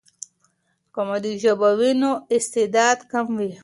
که مادي ژبه وي، نو استعداد کم وي.